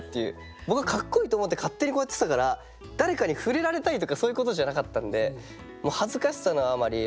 僕はかっこいいと思って勝手にこうやってたから誰かに触れられたいとかそういうことじゃなかったんで。